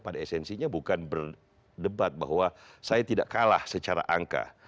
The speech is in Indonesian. karena esensinya bukan berdebat bahwa saya tidak kalah secara angka